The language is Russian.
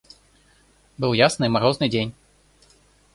Был ясный морозный день.